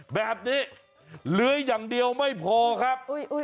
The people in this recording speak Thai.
แบบนี้เหลืออย่างเดียวไม่พอครับ